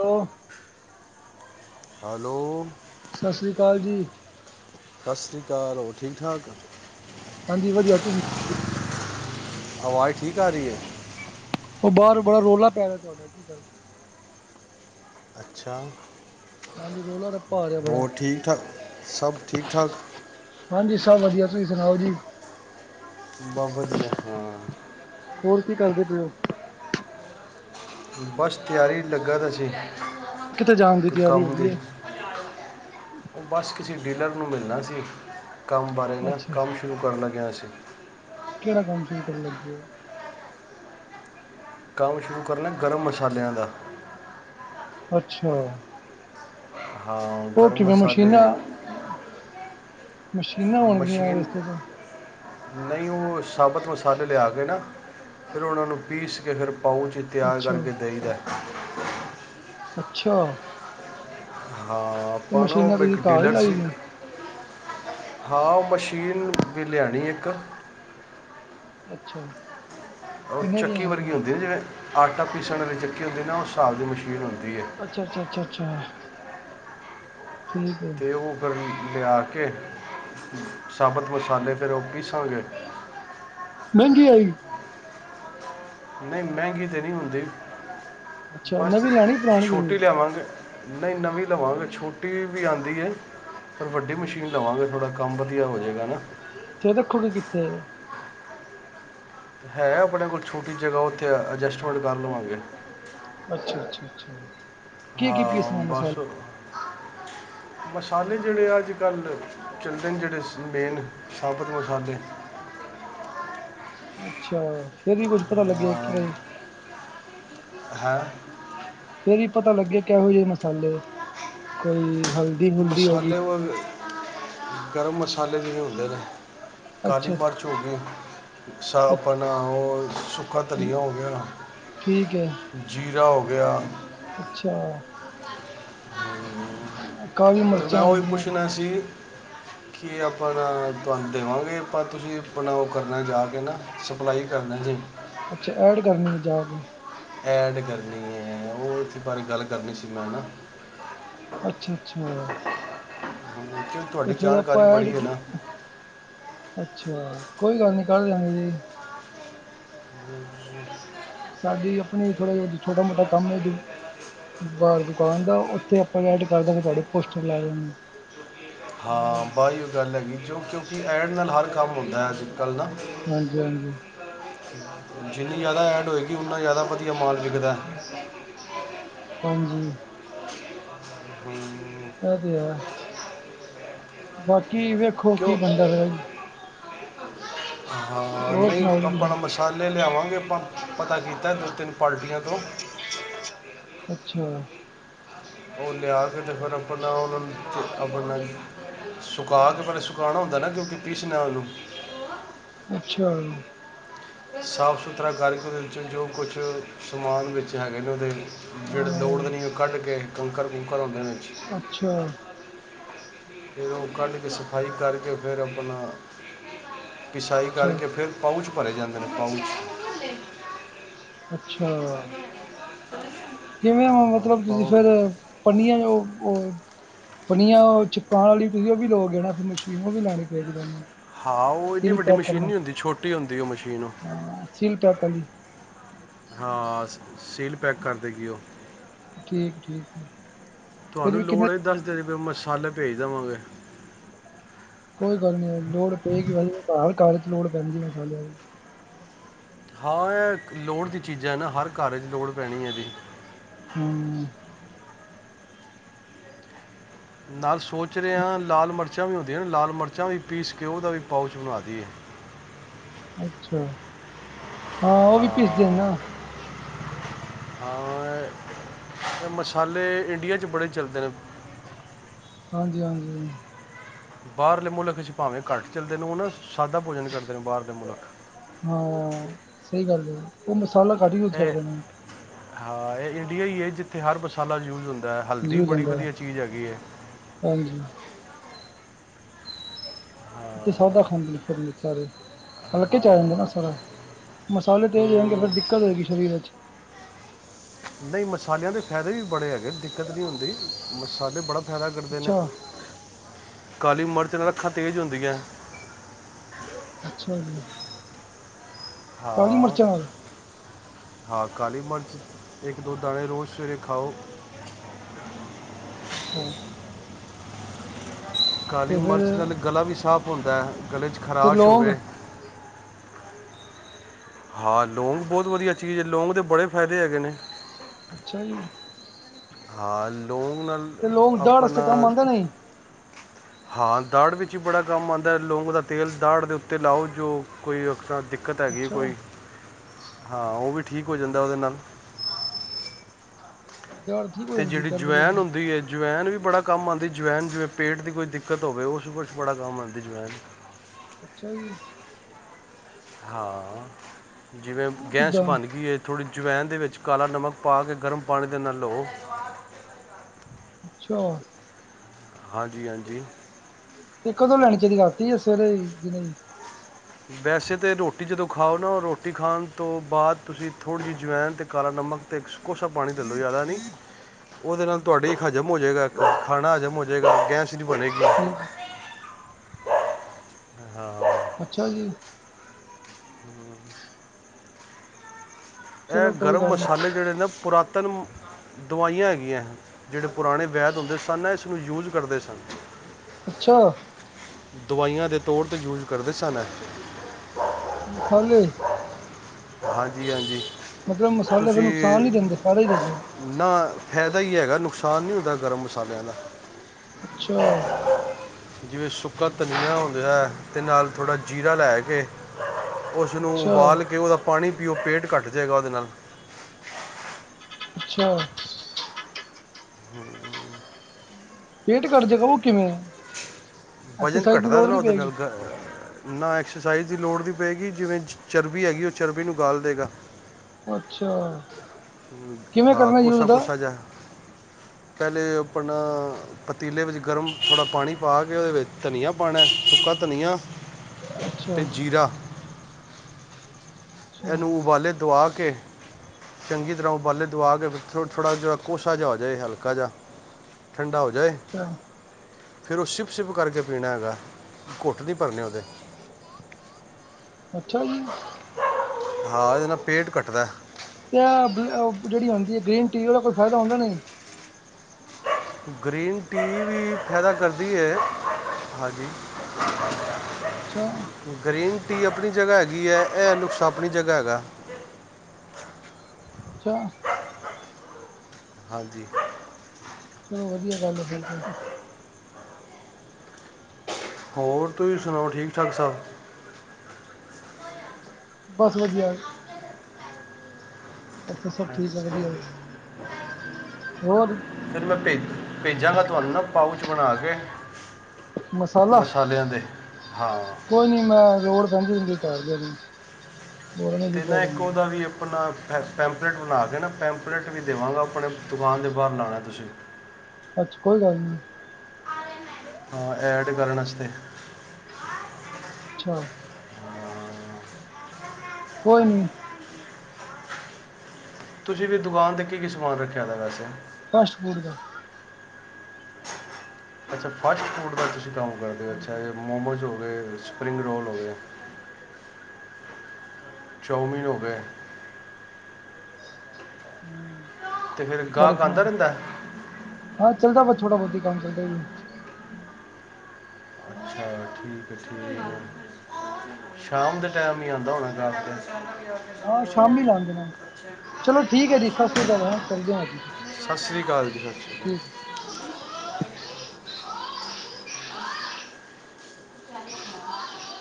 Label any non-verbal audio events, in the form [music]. ਉਹ ਹੈਲੋ, ਸਤਿ ਸ਼੍ਰੀ ਅਕਾਲ ਜੀ, ਸਤਿ ਸ਼੍ਰੀ ਅਕਾਲ, ਹੋਰ ਠੀਕ-ਠਾਕ? ਹਾਂਜੀ ਵਧੀਆ, ਤੁਸੀਂ ਆਵਾਜ਼ ਠੀਕ ਆ ਰਹੀ ਹੈ? ਉਹ ਬਾਹਰ ਬੜਾ ਰੋਲਾ ਪੈ ਰਿਹਾ ਤੁਹਾਡਾ ਕੀ ਗੱਲ? ਅੱਛਾ, ਹਾਂਜੀ ਰੌਲਾ ਰੱਪਾ ਆ ਰਿਹਾ ਬੜਾ, ਹੋਰ ਠੀਕ-ਠਾਕ ਸਭ ਠੀਕ-ਠਾਕ? ਹਾਂਜੀ ਸਭ ਵਧੀਆ, ਤੁਸੀਂ ਸੁਣਾਓ ਜੀ? ਬਸ ਵਧੀਆ ਹਾਂ। ਹੋਰ ਕੀ ਕਰਦੇ ਪਏ ਹੋ? ਬਸ ਤਿਆਰੀ ਲੱਗਾ ਦਾ ਸੀ, ਕਿੱਥੇ ਜਾਣ ਦੀ ਤਿਆਰੀ ਕੰਮ ਹੈਗੀ ਦੀ। ਏ, ਉਹ ਬਸ ਕਿਸੇ ਡੀਲਰ ਨੂੰ ਮਿਲਣਾ ਸੀ, ਕੰਮ ਬਾਰੇ ਨਾ ਅੱਛਾ ਕੰਮ, ਸ਼ੁਰੂ ਕਰਨ ਲਗੇ ਆਂ ਅਸੀ। ਕੇੜਾ ਕੰਮ ਸ਼ੁਰੂ ਕਰਨ ਲੱਗੇ ਔ? ਕੰਮ ਸ਼ੁਰੂ ਕਰਨਾ ਗਰਮ ਮਸਾਲਿਆਂ ਦਾ। ਅੱਛਾ। ਹਾਂ, ਉਹ ਗਰਮ ਕਿਵੇਂ ਮਸਾਲੇ, ਮਸ਼ੀਨਾਂ, ਮਸ਼ੀਨਾਂ ਹੋਣਗੀਆਂ ਓਹਦੇ ਮਸ਼ੀਨ ਵਾਸਤੇ ਤਾਂ? ਨਹੀਂ ਉਹ ਸਾਬਤ ਮਸਾਲੇ ਲਿਆ ਕੇ ਨਾ, ਫੇਰ ਉਹਨਾਂ ਨੂੰ ਪੀਸ ਕੇ ਫੇਰ ਪਾਊਚ ਤਿਆਰ ਅੱਛਾ, ਕਰਕੇ ਦੇਈ ਦਾ। ਅੱਛਾ। ਹਾਂ ਤੇ ਆਪਾਂ ਣਾ ਮਸ਼ੀਨਾਂ ਓਹ ਤੁਸੀਂ ਇੱਕ ਘਰ ਹੀ ਡੀਲਰ ਲਾਈ ਸੀ। ਦੀਆਂ, ਹਾਂ, ਉਹ ਮਸ਼ੀਨ ਵੀ ਲਿਆਣੀ ਇੱਕ। ਅੱਛਾ। ਉਹ ਕਿੰਨੇ ਦੀਆਂ ਚੱਕੀ ਵਰਗੀ ਆਣਗੀਆਂ? ਹੁੰਦੀ ਏ, ਜਿਵੇੰ ਆਟਾ ਪੀਸਣ ਵਾਲੀ ਚੱਕੀ ਹੁੰਦੀ ਨਾ ਉਸ ਹਿਸਾਬ ਦੀ ਮਸ਼ੀਨ ਹੁੰਦੀ ਐ। ਅੱਛਾ ਅੱਛਾ ਅੱਛਾ ਅੱਛਾ ਠੀਕ ਏ। ਅਤੇ ਉਹ ਫੇਰ ਲਿਆ ਕੇ ਸਾਬਤ ਮਸਾਲੇ ਫੇਰ ਉਹ ਪੀਸਾਂਗੇ। ਮਹਿੰਗੀ ਆਏਗੀ? ਨਹੀਂ ਮਹਿੰਗੀ ਤੇ ਨੀ ਹੁੰਦੀ, ਅੱਛਾ ਬਸ ਨਵੀਂ ਲਾਣੀ ਪੁਰਾਣੀ ਤੁਸੀਂ? ਛੋਟੀ ਲਿਆਵਾਂਗੇ। ਨਹੀਂ ਨਵੀਂ ਲਵਾਂਗੇ ਛੋਟੀ ਵੀ ਆਂਦੀ ਏ। ਪਰ ਵੱਡੀ ਮਸ਼ੀਨ ਲਵਾਂਗੇ ਥੋੜ੍ਹਾ ਕੰਮ ਵਧੀਆ ਹੋਜੇਗਾ ਨਾ। ਤੇ ਰੱਖੋਗੇ ਕਿਥੇ। ਹੈ ਆਪਣੇ ਕੋਲ ਛੋਟੀ ਜਗ੍ਹਾ ਉੱਥੇ ਅਡਜਸਟਮੈਂਟ ਕਰ ਲਵਾਂਗੇ। ਅੱਛਾ ਅੱਛਾ ਅੱਛਾ, ਕੀ ਕੀ ਹਾਂ ਪੀਸਨਾ ਮਸਾਲੇ? ਬਸ ਮਸਾਲੇ ਜੇੜੇ ਅਜ ਕੱਲ ਚੱਲਦੇ ਨੇ ਜੇੜੇ ਮੇਨ ਸਾਬਤ ਮਸਾਲੇ। ਅੱਛਾ, ਫੇਰ ਵੀ ਕੁੱਝ ਪਤਾ ਲਗੇਗਾ ਕਿਵੇਂ? [unintelligible] ਫੇਰ ਵੀ ਪਤਾ ਲੱਗੇ ਕਿਹੋ ਜਿਹੇ ਮਸਾਲੇ, ਕੋਈ ਹਲ ਮਸਾਲੇ ਓਹ ਗਰਮ ਮਸਾਲੇ, ਜਿਵੇ ਹੁੰਦੇ ਨੇ। ਕਾਲੀ ਅੱਛਾ ਮਿਰਚ ਅੱਛਾ ਹੋ ਗਈ, ਸਾ ਅੱਛਾ, ਆਪਣਾ ਉਹ ਸੁੱਕਾ ਧਨੀਆ ਹੋ ਗਿਆ। ਠੀਕ ਏ। ਜ਼ੀਰਾ ਹੋ ਗਿਆ। ਅੱਛਾ। [unintelligible] ਅਤੇ ਮੈਂ ਉਹੀ ਗਈਆਂ ਪੁੱਛਣਾ ਸੀ। ਕੀ, ਆਪਾਂ ਤੁਹਾਨੂੰ ਦੇਵਾਂਗੇ। ਆਪਾਂ, ਤੁਸੀਂ ਆਪਣਾ, ਉਹ ਕਰਨਾ, ਜਾ ਕੇ ਨਾ। ਸਪਲਾਈ, ਕਰਨਾ ਏ ਜੀ। ਅੱਛਾ, ਐਡ ਕਰਨੀ ਹੈ। ਜਾ ਕੇ। ਐਡ ਕਰਨੀ ਹੈ। ਉਸ ਬਾਰੇ ਗੱਲ ਕਰਨੀ ਸੀ। ਮੈਂ, ਉਹਦੇ ਨਾਲ। ਅੱਛਾ-ਅੱਛਾ। [unintelligible] ਤੇ ਫੇਰ ਜਾਣਕਾਰੀ ਆਪਾਂ ਐਡ, ਬੜੀ ਹੈ ਨਾ ਅੱਛਾ ਕੋਈ ਗੱਲ ਨੀ ਕਰ ਦਿਆਂਗੇ। ਸਾਡੀ ਆਪਨੀ ਥੋੜਾ ਜਿਹਾ ਛੋਟਾ ਮੋਟਾ ਕੰਮ ਏ ਜੀ। ਬਾਹਰ ਦੁਕਾਨ ਦਾ ਉੱਥੇ ਆਪਾਂ ਨੇ ਐਡ ਕਰ ਦੇਣੀ ਤੁਵਾਡੇ ਪੋਸਟਰ ਲੱਗ ਜਾਣੇ। ਹਾਂ, ਬੱਸ ਓਹਿਯੋ ਗੱਲ ਹੈਗੀ, ਕਿਯੋੰ ਕਿਉਂਕਿ ਐਡ ਨਾਲ ਹਰ ਕੰਮ ਹੁੰਦਾ ਹੈ ਅੱਜ ਕੱਲ੍ਹ ਨਾ। ਹਾਂਜੀ-ਹਾਂਜੀ। ਜਿੰਨੀ ਜਿਆਦਾ ਐਡ ਹੋਏਗੀ ਉਨਾ ਜ਼ਿਆਦਾ ਵਧੀਆ ਮਾਲ ਵਿਕਦਾ। ਹਾਂਜੀ। [inaudible] ਐ, ਤੇੰ ਹੈ। ਬਾਕੀ ਵੇਖੋ ਕਿਉਂ ਕੀ ਬੰਦਾ ਫਿਰ ਹਾਂ, ਹੋਰ ਨਹੀਂ ਸੁਣਾਓ ਜੀ ਆਪਣਾ ਤੁਸੀਂ ਮਸਾਲੇ ਲਿਆਵਾਂਗੇ। ਆਪਾਂ ਪਤਾ ਕੀਤਾ ਦੋ, ਤਿੰਨ ਪਾਰਟੀਆਂ ਤੋਂ। ਅੱਛਾ। ਉਹ ਲਿਆ ਕੇ ਤੇ ਫੇਰ ਆਪਣਾ ਉਹੂੰ [unintelligible] ਆਪਣਾ ਸੁਕਾਾ ਕੇ ਫੇਰ ਸੁ ਪਕਾਉਣਾ ਹੁੰਦਾ ਨਾ ਤੁਸੀਂ ਪੀਸ਼ਸ਼ਨ ਨੂੰ ਅੱਛਾ। ਸਾਫ ਸੁਥਰਾ ਕਰਕੇ ਉਹਦੇ ਵਿੱਚ ਜੋ, ਕੁਛ ਸਮਾਨ ਵਿੱਚ ਹੈਗੇ ਨੇ, ਉਹਦੇ। ਜਿਹੜੇ ਅ ਦੌੜਦੇ ਨਹੀਂ ਉਹ ਕੱਢ ਕੇ। ਕੰਕਰ- ਕੁਕਰ ਹੋਦੇ ਨੇ ਵਿੱਚ। ਅੱਛਾ। ਫੇਰ ਉਹ ਕੱਢ ਕੇ ਸਫਾਈ ਕਰਕੇ ਫੇਰ ਪਿਸਾਈ ਅੱਛਾ ਕਰਕੇ ਫੇਰ। ਪਊਚ ਭਰੇ ਜਾਂਦੇ ਨੇ ਪਊਚ। ਅੱਛਾ। ਹ [unintelligible] ਕਿਵੇਂ, ਮਤਲਬ ਤੁਸੀਂ ਫੇਰ, ਪਨੀਆਂ ਉਹ, ਉਹ। ਪਨੀਆ ਉਹ, ਚਿਪਕਾਉਣ ਵਾਲੀ, ਤੁਸੀਂ ਉਹ ਵੀ ਦੇਉਗੇ ਨਾ, ਫੇਰ ਮਸ਼ੀਨ। ਉਹ ਵੀ ਲੈਣੀ ਪਏਗੀ ਫੇਰ ਸਾਨੂੰ। ਹਾ, ਉਹ ਇੰਡੀ ਵੱਡੀ ਮਸ਼ੀਨ ਨਹੀਂ ਹੁੰਦੀ। ਛੋਟੀ ਹੁੰਦੀ ਉਹ ਮਸ਼ੀਨ। ਸਿਲ, ਪੈਕ ਅਲੀ। ਹਾਂ, ਸੀਲ ਪੈਕ, ਕਰ ਦੇਗੀ ਉਹ। ਠੀਕ, ਠੀਕ। ਫਿਰ ਤੁਹਾਨੂੰ ਵੀ ਕਿੰਨੇ ਲੋੜ ਇਹ ਦੱਸਦੇ ਦਵੀ ਮਸਾਲੇ ਭੇਜ ਦੇਵਾਂਗੇ। ਕੋਈ ਗੱਲ ਨੀ ਲੋੜ ਪਏਗੀ ਹੁਣ ਘਰ। ਘਰ ਚ ਲੋੜ ਪੈਂਦੀ ਮਸਾਲਿਆਂ ਦੀ। ਹਾਂ, ਇਹ ਲੋੜ ਦੀ ਚੀਜ਼ਾਂ ਨਾ, ਹਰ ਘਰ ਚ ਲੋੜ ਪੈਣੀ ਹੈ ਇਹਦੀ। ਹੂੰ। ਨਾਲ ਸੋਚ ਰਿਹਾ ਹਾਂ, ਲਾਲ ਮਿਰਚਾਂ ਵੀ ਹੁੰਦੀਆਂ ਨਾ ਲਾਲ ਮਿਰਚਾਂ ਵੀ, ਪੀਸ ਕੇ ਉਹਦਾ ਵੀ ਪਾਊਚ ਬਣਾ ਦੀਈਏ। ਅੱਛਾ, ਹਾਂ ਉਹ ਵੀ ਪਿਸਦੇ ਹਾਂ ਨਾ। ਹਾਂ, ਮਸਾਲੇ ਇੰਡੀਆ ਚ ਬੜੇ ਚੱਲਦੇ ਨੇ। ਹਾਂਜੀ ਹਾਂਜੀ ਬਾਹਰਲੇ ਮੁਲਕ ਭਾਵੇਂ ਘੱਟ ਚੱਲਦੇ ਨੇ। ਉਹ ਨਾ ਸਾਦਾ ਭੋਜਨ ਕਰਦੇ ਨੇ ਬਾਹਰਲੇ ਮੁਲਕ। ਹਾਂ ਸਹੀ ਗੱਲ ਹੈ ਉਹ ਮਸਾਲਾ ਘੱਟ ਯੂਜ ਇਹ ਕਰਦੇ ਨੇ ਹਾਂ, ਇਹ ਇੰਡੀਆ ਹੀ ਹੈ। ਜਿੱਥੇ ਹਰ ਮਸਾਲਾ ਯੂਜ ਹੁੰਦਾ ਹੈ। ਜੀ ਹਲਦੀ ਹੋ ਬੜੀ ਜਾਂਦਾ ਹੈ ਵਧੀਆ ਚੀਜ਼ ਹੈਗੀ ਹੈ। ਹਾਂਜੀ। ਉੱਹ ਸਾਦਾ ਹਾਂ ਖਾਂਦੇ ਨੇ, ਫੋਰਨ ਸਾਰੇ। ਹਲਕੇ ਚ ਆ ਜਾਂਦਾ ਨਾ ਹਾਂ ਸਾਰਾ। ਮਸਾਲੇ ਤੇਜ਼ ਹੋ ਜਾਣਗੇ ਫੇਰ ਹਮ, ਦਿੱਕਤ ਹੋਏਗੀ ਸਰੀਰ ਚ। ਨਹੀਂ ਮਸਾਲਿਆਂ ਦੇ, ਫਾਇਦੇ ਵੀ ਬੜੇ ਹੈਗੇ। ਦਿੱਕਤ ਨਹੀਂ ਹੁੰਦੀ। ਮਸਾਲੇ ਬੜਾ ਫਾਇਦਾ ਕਰਦੇ ਨੇ ਅੱਛਾ ਕਾਲੀ ਮਿਰਚ ਰੱਖਾ ਤੇਜ਼ ਹੁੰਦੀ ਹੈ। ਅੱਛਾ ਜੀ। ਕਾਲੀ ਹਾਂ। ਮਿਰਚਾਂ ਨਾਲ ਹਾਂ, ਕਾਲੀ ਮਿਰਚ, ਇੱਕ ਦੋ ਦਾਣੇ ਰੋਜ਼ ਸਵੇਰੇ ਖਾਓ। ਅੱਛਾ। ਕਾਲੀ ਤੇ ਫਿਰ ਮਿਰਚ ਨਾਲ ਗਲਾ ਵੀ ਸਾਿਸਫ਼ ਹੁੰਦਾ ਹੈ। ਗਲੇ ਚ ਤੇ ਖਰਾਸ਼ ਹੋਵੇ। ਲੌਂਗ ਹਾਂ ਲੌਂਗ ਬਹੁਤ ਵਧੀਆ ਚੀਜ਼ ਹੈ। ਲੌਂਗ ਦੇ ਬੜੇ ਫਾਇਦੇ ਹੈਗੇ ਨੇ। ਅੱਛਾ ਜੀ। ਹਾਂ ਲੂਣ ਨਾਲ ਆਪਣਾ। ਹ [inaudible] ਹਾਂ, ਦਾੜ ਵਿੱਚ ਬੜਾ ਕੰਮ ਆਉਂਦਾ ਏ। ਲੋਕਂ ਦਾ ਤੇਲ ਦਾੜ ਦੇ ਉੱਤੇ ਲਾਓ। ਜੋ ਕੋਈ ਅਕਸਰ ਦਿੱਕਤ ਆ ਗਈ ਹੈ ਅੱਛਾ ਕੋਈ। ਹਾਂ ਉਹ ਵੀ ਠੀਕ ਹੋ ਜਾਂਦਾ ਉਹਦੇ ਨਾਲ। ਦਾੜ ਠੀਕ ਹੋ ਤੇ ਜਾਂਦੀ ਜਿਹੜੀ ਦਰਦ ਜਵੈਨ ਦੁਰਦ ਹੁੰਦੀ ਹੈ। ਅਵੈਨ ਵੀ ਬੜਾ ਕੰਮ ਆਂਦੀ। ਅਵੈਨ ਜਿਵੇਂ ਪੇਟ ਦੀ ਕੋਈ ਦਿੱਕਤ ਹੋਵੇ। ਉਸ ਕੁਛ ਬੜਾ ਕੰਮ ਆਂਦੀ ਅਜਵੈਨ। ਅੱਛਾ ਜੀ। ਹਾਂ, ਜਿਵੇਂ ਉਹ ਗੈਸ ਕਿੱਦਾਂ ਬਣ ਗਈ ਹੈ। ਥੋੜਾ ਜਵਾਇਨ ਦੇ ਵਿੱਚ ਕਾਲਾ ਨਮਕ ਪਾ ਕੇ ਗਰਮ ਪਾਣੀ ਦੇ ਨਾਲ ਲਓ ਅੱਛਾ। ਹਾਂਜੀ- ਹਾਂਜੀ। ਤੇ ਕਦੋਂ, ਲੈਣੀ ਚਾਹੀਦੀ, ਰਾਤੀ ਜਾ ਸਵੇਰੇ, ਦਿਨੇ। ਵੈਸੇ ਤਾਂ, ਰੋਟੀ ਜਦੋਂ ਖਾਓ ਨਾ। ਰੋਟੀ ਖਾਣ ਤੋਂ ਬਾਅਦ ਤੁਸੀਂ ਥੋੜੀ, ਜਵਾਇਣ ਤੇ ਕਾਲਾ ਨਮਕ ਤੇ। ਕੋਸਾ ਪਾਣੀ ਲੇ, ਲੋ। ਜ਼ਿਆਦਾ ਨਹੀਂ। [inaudible] ਉਹਦੇ ਨਾਲ, ਅੱਛਾ ਤੁਹਾਡੀ ਹਜ਼ਮ ਹੋ ਜਾਏਗਾ। ਖਾਣਾ ਹਜ਼ਮ ਹੋ ਜਾਏਗਾ। ਗੈਸ ਨੀ ਬਣੇਗੀ। ਹੂੰ। ਅੱਛਾ ਜੀ। ਹੂੰ। ਚਲੋ ਇਹ ਕੋਈ ਗਰਮ ਗੱਲ ਨਹੀਂ ਮਸਾਲੇ, ਜਿਹੜੇ ਨੇ ਪੁਰਾਤਨ ਦਵਾਈਆਂ, ਹੈਗੀਆਂ ਹੈ। ਜਿਹੜੇ ਪੁਰਾਣੇ, ਵੈਦ ਹੁੰਦੇ ਸਨ। ਇਸ ਨੂੰ ਯੂਜ ਕਰਦੇ ਸਨ। ਅੱਛਾ। ਦਵਾਈਆਂ ਦੇ ਤੌਰ ਤੇ ਯੂਜ ਕਰਦੇ ਸਨ ਏ। ਮਸਾਲੇ। ਹਾਂਜੀ ਹਾਂਜੀ ਮਤਲਬ ਮਸਾਲੇ ਫੇਰ ਤੁਸੀਂ ਨੁਕਸਾਨ ਨੀ ਦਿੰਦੇ, ਫਾਇਦਾ ਹੀ ਦਿੰਦੇ ਨੇ। ਨਾ ਫਾਇਦਾ ਹੀ, ਹੈਗਾ। ਨੁਕਸਾਨ ਨਹੀਂ ਹੁੰਦਾ, ਗਰਮ ਮਸਾਲਿਆਂ ਦਾ। ਅੱਛਾ। ਜਿਵੇਂ ਸੁੱਕਾ ਧਨੀਆ, ਆਉਂਦਾ। ਤੇ ਨਾਲ ਥੋੜਾ, ਜੀਰਾ ਲੈ ਕੇ। ਉਸਨੂੰ ਅੱਛਾ ਉਬਾਲ ਕੇ, ਉਹਦਾ ਪਾਣੀ ਪੀਓ, ਪੇਟ ਘੱਟ ਜਾਏਗਾ ਉਹਦੇ ਨਾਲ। ਅੱਛਾ। ਹੂੰ। [unintelligible] ਪੇਟ ਘੱਟ, ਜੇ ਗਾ ਉਹ ਕਿਵੇਂ ਆ? ਵਜਨ ਘੱਟਦਾ, ਨਾ ਉਹਦੇ ਨਾਲ। ਨਾ ਐਕਸਰਸਾਈਜ਼, ਦੀ ਲੋੜ ਨਹੀਂ ਪਏਗੀ। ਜਿਵੇਂ ਚਰਬੀ ਹੈਗੀ, ਉਹ ਚਰਬੀ ਨੂੰ ਗਾਲ ਦੇਵੇਗਾ। ਅੱਛਾ! ਕਿਵੇਂ ਹਾਂ। ਕਰਨਾ ਯੂਜ ਕੋਸਾ- ਦਾ ਕੋਸਾ, ਜਿਹਾ। ਪਹਿਲੇ ਆਪਣਾ। ਪਤੀਲੇ ਵਿੱਚ, ਗਰਮ ਥੋੜਾ ਪਾਣੀ, ਪਾ ਕੇ। ਉਹਦੇ ਵਿੱਚ, ਧਨੀਆਂ ਪਾਣਾ, ਸੁੱਕਾ ਧਨੀਆਂ। ਅੱਛਾ ਤੇ, ਜ਼ੀਰਾ। ਅੱਛਾ ਇਹਨੂੰ, ਉਬਾਲੇ ਦਵਾ ਕੇ। ਚੰਗੀ ਤਰਾਂ ਉਬਾਲੇ, ਦਵਾ ਕੇ ਫੇਰ, ਥੋੜਾ-ਥੋੜਾ ਜਿਹਾ ਕੋਸਾ, ਜਿਹਾ ਹੋ ਜਾਏ, ਹਲਕਾ ਜਿਹਾ। ਠੰਡਾ, ਹੋ ਜਾਏ। ਅੱਛਾ। ਫੇਰ ਉਹ ਸ਼ਿਪ ਸ਼ਿਪ ਕਰਕੇ ਪੀਣਾ ਹੈਗਾ, ਘੁੱਟ ਨਹੀਂ ਭਰਨੇ ਉਹਦੇ। ਅੱਛਾ ਜੀ। ਹਾਂ, ਇਹਦੇ ਨਾਲ ਪੇਟ ਘੱਟਦਾ। ਤੇ ਆ ਉਹ ਜਿਹੜੀ ਹੁੰਦੀ ਹੈ, ਗ੍ਰੀਨ ਟੀ ਉਹਦਾ ਕੋਈ ਫਾਇਦਾ ਹੁੰਦਾ, ਨਹੀਂ? ਗ੍ਰੀਨ ਟੀ, ਵੀ ਫਾਇਦਾ ਕਰਦੀ ਹੈ, ਹਾਂਜੀ। ਅੱਛਾ। ਗਰੀਨ ਟੀ, ਆਪਣੀ ਜਗਾ ਹੈਗੀ ਹੈ। ਇਹ ਨੁਕਸਾ, ਆਪਣੀ ਜਗਾ ਹੈਗਾ। ਅੱਛਾ। ਹਾਂਜੀ। ਚਲੋ ਵਧੀਆ, ਗੱਲ ਹੈ। ਬਿਲਕੁਲ। ਹੋਰ, ਤੁਸੀਂ ਸੁਣਾਓ ਠੀਕ- ਠਾਕ ਸਾਬ? ਬੱਸ, ਵਧੀਆ। ਇੱਥੇ, ਸਭ ਠੀਕ ਹੈ, ਵਧੀਆ ਜੀ। ਹੋਰ? ਫੇਰ ਮੈਂ ਭੇਜਾ, ਭੇਜਾਂਗਾ ਤੁਹਾਨੂੰ ਨਾ। ਪਾਊਚ ਬਣਾ ਕੇ। ਮਸਾਲਾ? ਮਸਾਲਿਆਂ ਦੇ ਹਾਂ ਕੋਈ ਨੀ ਮੈਂ ਲੋੜ ਪਹਿੰਦੀ ਏ। ਅਤੇ ਨਾ, ਇੱਕ ਉਹਦਾ ਵੀ ਆਪਣਾ ਪ ਪੈਂਪਲੇਟ ਬਣਾ ਕੇ ਨਾ ਪੈਂਪਲੇਟ ਵੀ ਦੇਵਾਂਗਾ, ਆਪਣੇ ਦੁਕਾਨ ਦੇ ਬਾਹਰ ਲਾਉਣਾ ਤੁਸੀਂ। ਅੱਛਾ, ਕੋਈ ਗੱਲ ਨੀ। ਹਾਂ, ਐਡ ਕਰਨ ਵਾਸਤੇ। ਅੱਛਾ। ਕੋਈ ਨੀ। ਤੁਸੀਂ ਵੀ ਦੁਕਾਨ 'ਤੇ ਕੀ ਕੀ ਸਮਾਨ ਰੱਖਿਆ ਦਾ, ਵੈਸੇ। ਫਾਸਟ ਫੂਡ ਦਾ। ਅੱਛਾ, ਫਾਸਟ ਫੂਡ ਦਾ ਤੁਸੀਂ ਕੰਮ ਕਰਦੇ ਹੋ, ਅੱਛਾ ਹਾਂਜੀ ਇਹ ਮੋਮੋਜ਼ ਹੋ ਗਏ, ਸਪਰਿੰਗ ਰੋਲ ਹੋਏ। ਚਾਊਮਿਨ ਹੋ ਗਏ। ਹਮ, ਅਤੇ ਫਿਰ ਬੜ੍ਹਾ ਗਾਹਕ ਆਉਂਦਾ ਸਮਾਨ - ਰਹਿੰਦਾ ਹੈ? ਹਾਂ ਚੱਲਦਾ, ਬਸ ਥੋੜਾ ਬਹੁਤ ਹੀ ਕੰਮ ਚੱਲਦਾ। ਅੱਛਾ ਠੀਕ ਹੈ, ਠੀਕ ਹੈ। ਸ਼ਾਮ ਦੇ ਟਾਈਮ ਹੀ ਆਉਂਦਾ ਹੋਣਾ ਗਾਹਕ? ਹਾਂ ਸ਼ਾਮੀ ਤਾਂ। ਲਾਉਂਦੇ, ਚਲੋ ਠੀਕ ਹੈ ਜੀ, ਸਤਿ ਸ੍ਰੀ ਆਕਾਲ, ਕਰਦੇ ਹਾਂ ਜੀ ਫਿਰ। ਸਤਿ ਸ਼੍ਰੀ ਅਕਾਲ ਜੀ, ਸਤਿ ਸ਼੍ਰੀ ਅਕਾਲ। [inaudible]